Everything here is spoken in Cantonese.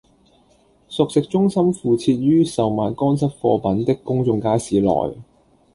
熟食中心附設於售賣乾濕貨品的公眾街市內